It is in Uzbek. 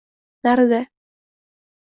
Narida